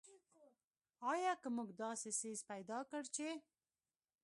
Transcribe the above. آیا که موږ داسې څیز پیدا کړ چې.